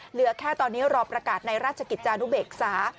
เหลือแค่ตอนนี้รอประกาศในราชกิจจานุเบกษา